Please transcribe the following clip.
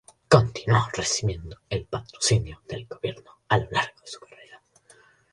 Continuó recibiendo el patrocinio del gobierno a lo largo de su carrera.